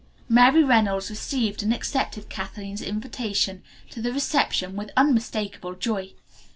Mary Reynolds received and accepted Kathleen's invitation to the reception with unmistakable joy.